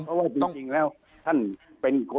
เพราะว่าจริงแล้วท่านเป็นคน